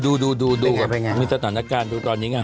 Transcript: ว่าดูดูดูมิตรฐานการณ์ดูตอนนี้ไง